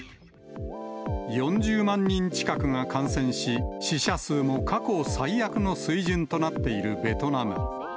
４０万人近くが感染し、死者数も過去最悪の水準となっているベトナム。